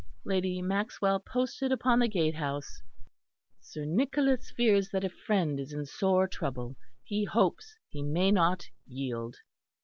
Lady Maxwell posted upon the gatehouse: "Sir Nicholas fears that a friend is in sore trouble; he hopes he may not yield."